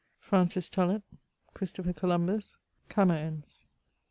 FRANCIS TULLOCH — CHRISTOPHER COLUMBUS— CAMOENS.